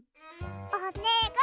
おねがい！